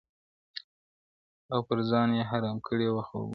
• او پر ځان یې حرام کړي وه خوبونه -